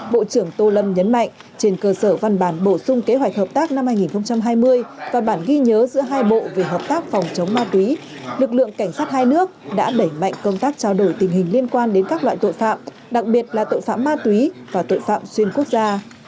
bộ trưởng tô lâm nhấn mạnh trên cơ sở văn bản bổ sung kế hoạch hợp tác năm hai nghìn hai mươi và bản ghi nhớ giữa hai bộ về hợp tác phòng chống ma túy lực lượng cảnh sát hai nước đã đẩy mạnh công tác trao đổi tình hình liên quan đến các loại tội phạm đặc biệt là tội phạm ma túy và tội phạm xuyên quốc gia